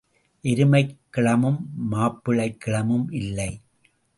எருமைக் கிழமும் மாப்பிள்ளைக் கிழமும் இல்லை.